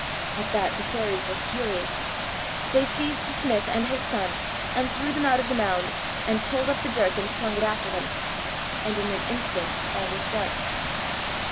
At that the Fairies were furious. They seized the smith and his son and threw them out of the Mound, and pulled up the dirk and flung it after them. And in an instant all was dark.